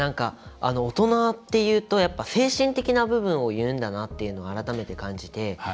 大人っていうとやっぱり精神的な部分をいうんだなっていうのを改めて感じて。